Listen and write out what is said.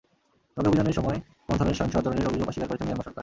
তবে অভিযানের সময় কোনো ধরনের সহিংস আচরণের অভিযোগ অস্বীকার করেছে মিয়ানমার সরকার।